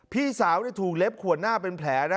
พี่สาวถูกเล็บขวดหน้าเป็นแผลนะ